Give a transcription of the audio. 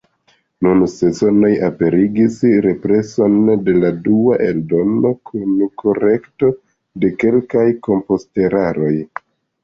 Nun Sezonoj aperigis represon de la dua eldono kun korekto de kelkaj komposteraroj.